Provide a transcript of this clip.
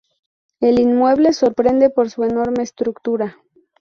El inmueble sorprende por su enorme estructura.